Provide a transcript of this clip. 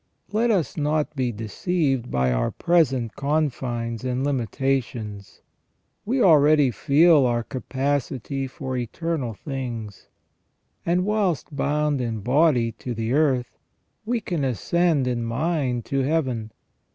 Let us not be deceived by our present confines and limitations. We already feel our capacity for eternal things, and whilst bound in body to the earth, we can ascend in mind to Heaven.